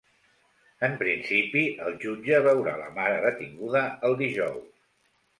En principi, el jutge veurà la mare detinguda el dijous.